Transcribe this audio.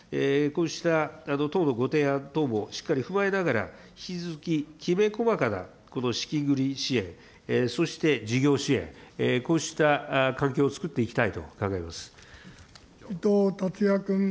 こうしたとうのご提案等もしっかり踏まえながら、引き続ききめ細かな資金繰り支援、そして事業支援、こうした環境を作っていきた伊藤達也君。